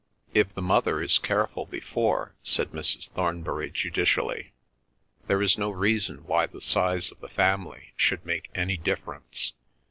"If the mother is careful before," said Mrs. Thornbury judicially, "there is no reason why the size of the family should make any difference.